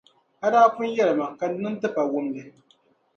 A daa pun yεli ma ka n niŋ tipawumli.